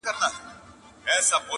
د قلمونو کتابونو کیسې!.